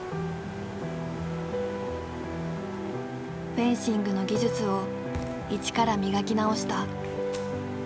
フェンシングの技術を一から磨き直した。